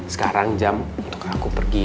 sekarang jam untuk aku pergi